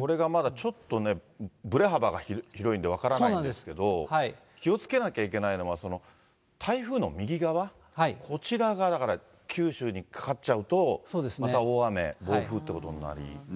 これがまだちょっとね、ブレ幅が広いんで分からないんですけど、気をつけなきゃいけないのは、台風の右側、こちらが、だから九州にかかっちゃうと、また大雨、暴風ってことになりますね。